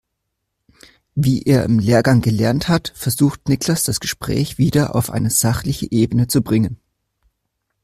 Wie er es im Lehrgang gelernt hat, versucht Niklas das Gespräch wieder auf eine sachliche Ebene zu bringen.